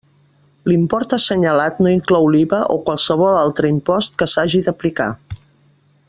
L'import assenyalat no inclou l'IVA o qualsevol altre impost que s'haja d'aplicar.